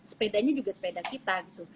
sepedanya juga sepeda kita